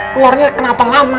keluarnya kenapa lama